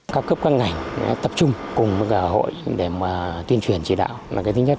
cao cấp các ngành tập trung cùng với cả hội để mà tuyên truyền chỉ đạo là cái thứ nhất